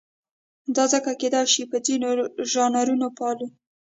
دا څنګه کېدای شي چې ځینې ژانرونه پالو.